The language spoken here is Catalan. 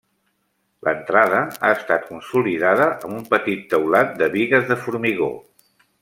L’entrada ha estat consolidada amb un petit teulat de bigues de formigó.